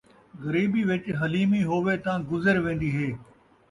غریبی وِچ حلیمی ہووے تاں گزر وین٘دی ہے